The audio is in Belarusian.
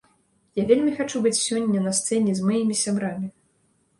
Я вельмі хачу быць сёння на сцэне з маімі сябрамі.